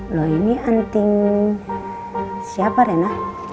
loh ini anting siapa rena